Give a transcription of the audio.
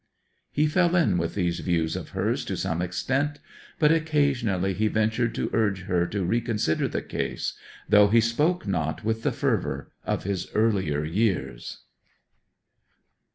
He fell in with these views of hers to some extent. But occasionally he ventured to urge her to reconsider the case, though he spoke not with the fervour of his earlier years.